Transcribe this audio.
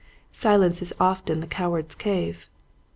Silence is often the coward's cave.